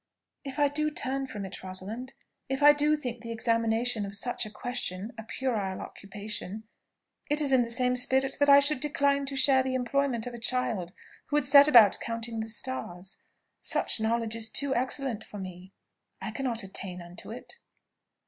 "If I do turn from it, Rosalind, if I do think the examination of such a question a puerile occupation, it is in the same spirit that I should decline to share the employment of a child who would set about counting the stars. Such knowledge is too excellent for me; I cannot attain unto it."